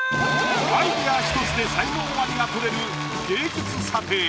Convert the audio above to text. アイディアひとつで才能アリが取れる芸術査定。